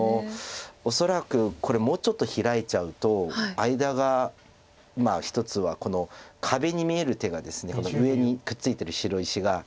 恐らくこれもうちょっとヒラいちゃうと間が１つは壁に見える手がですね上にくっついてる白石が。